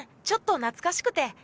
ちょっと懐かしくて。